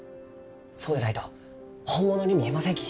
そうでないと本物に見えませんき。